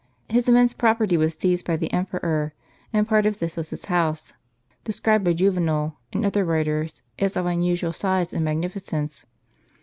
His immense property was seized by the em peror, and part of this was his house, described by Juvenal, and other writers, as of unusual size and magnificence.